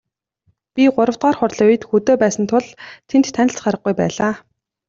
Би гуравдугаар хурлын үед хөдөө байсан тул тэнд танилцах аргагүй байлаа.